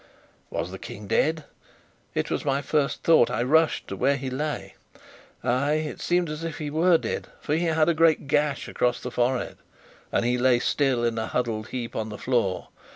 Was the King dead? It was my first thought. I rushed to where he lay. Ay, it seemed as if he were dead, for he had a great gash across his forehead, and he lay still in a huddled heap on the floor.